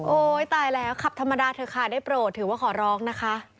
ตายแล้วขับธรรมดาเถอะค่ะได้โปรดถือว่าขอร้องนะคะ